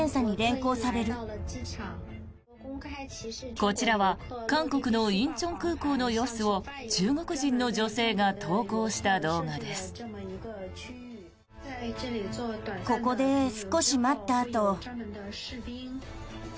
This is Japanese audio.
こちらは韓国の仁川空港の様子を中国人の女性が投稿した動画です。